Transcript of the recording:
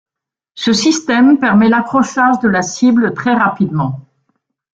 Ce système permet l'accrochage de la cible très rapidement.